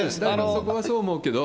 そこはそう思うけど。